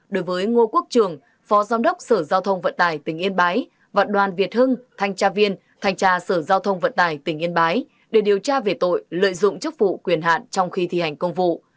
đối với ngô quốc trường phó giám đốc sở giao thông vận tài tỉnh yên bái và đoàn việt hưng thanh tra viên thanh tra sở giao thông vận tải tỉnh yên bái để điều tra về tội lợi dụng chức vụ quyền hạn trong khi thi hành công vụ